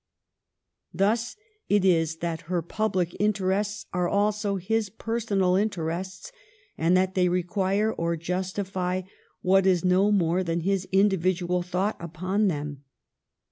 Thus it is that her public interests are also his per sonal interests, and that they require or justify what is no more than his individual thought upon them.